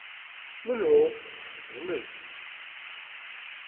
Menhu?" "D nekk.